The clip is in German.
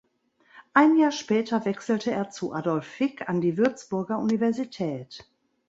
Ein Jahr später wechselte er zu Adolf Fick an die Würzburger Universität.